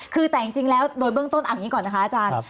คือแต่จริงแล้วโดยเบื้องต้นเอาอย่างนี้ก่อนนะคะอาจารย์